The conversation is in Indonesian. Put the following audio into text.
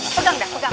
pegang dah pegang